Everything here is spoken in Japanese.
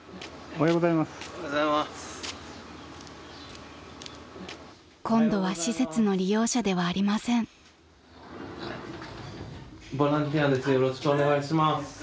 おはようございますヤマピー。